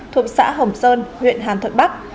thuộc xã hồng sơn huyện hàn thuận bắc